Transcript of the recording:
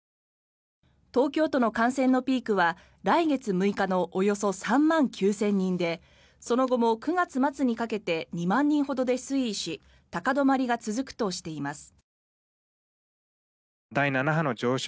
東京都の感染のピークは来月６日のおよそ３万９０００人でその後も９月末にかけて２万人ほどで推移し高止まりが続くとしています。